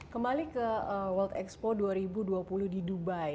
kembali ke world expo dua ribu dua puluh di dubai